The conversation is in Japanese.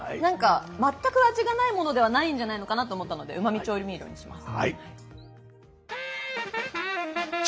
全く味がないものではないんじゃないのかなと思ったのでうまみ調味料にします。